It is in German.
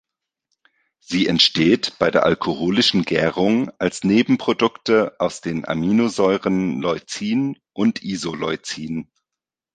Sie entsteht bei der alkoholischen Gärung als Nebenprodukte aus den Aminosäuren Leucin und Isoleucin.